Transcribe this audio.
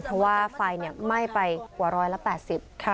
เพราะว่าไฟไหม้ไปกว่าร้อยละ๘๐ค่ะ